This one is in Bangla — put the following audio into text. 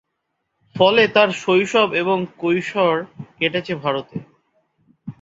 ফলে তার শৈশব এবং কৈশোর কেটেছে ভারতে।